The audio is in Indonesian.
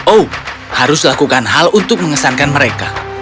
oh harus lakukan hal untuk mengesankan mereka